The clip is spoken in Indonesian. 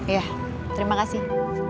iya terima kasih